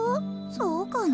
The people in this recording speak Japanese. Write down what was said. そうかな？